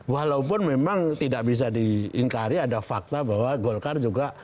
walaupun memang tidak bisa diingkari ada fakta bahwa golkar juga